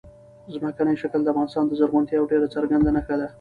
ځمکنی شکل د افغانستان د زرغونتیا یوه ډېره څرګنده نښه ده.